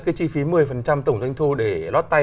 cái chi phí một mươi tổng doanh thu để lót tay